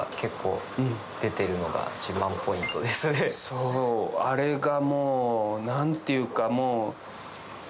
そうあれがもう何ていうか。